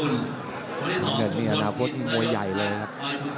สำเร็จมีอนาคตมวยใหญ่เลยครับ